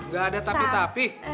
gak ada tapi tapi